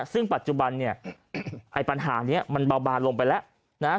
ซึ่งปัจจุบันเนี่ยไอ้ปัญหานี้มันเบาบานลงไปแล้วนะฮะ